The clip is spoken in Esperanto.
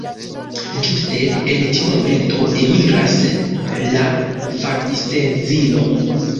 Ĝuste en tiu momento eniras la farmistedzino.